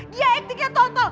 dia ekstriknya total